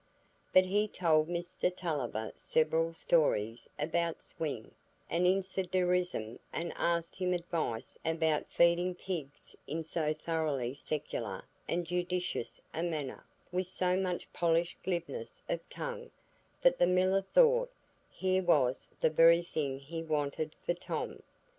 But he told Mr Tulliver several stories about "Swing" and incendiarism, and asked his advice about feeding pigs in so thoroughly secular and judicious a manner, with so much polished glibness of tongue, that the miller thought, here was the very thing he wanted for Tom.